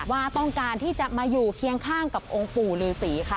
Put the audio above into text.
ว่าต้องการที่จะมาอยู่เคียงข้างกับองค์ปู่ฤษีค่ะ